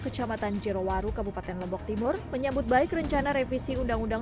kecamatan jerowaru kabupaten lombok timur menyambut baik rencana revisi undang undang